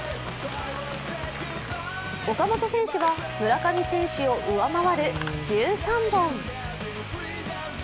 岡本選手は村上選手を上回る１３本。